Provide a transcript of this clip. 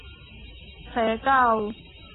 แผลเก่า